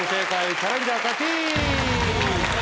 チャレンジャー勝ち。